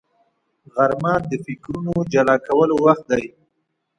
غرمه د فکرونو جلا کولو وخت دی